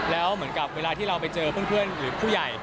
แล้วเหมือนกับเวลาที่เราไปเจอเพื่อนหรือผู้ใหญ่